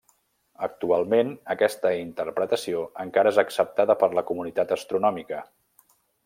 Actualment, aquesta interpretació encara és acceptada per la comunitat astronòmica.